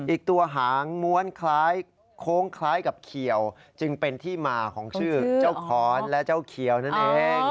อีกตัวหางม้วนคล้ายโค้งคล้ายกับเขียวจึงเป็นที่มาของชื่อเจ้าขอนและเจ้าเขียวนั่นเอง